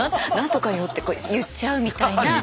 何とかよ」ってこう言っちゃうみたいな。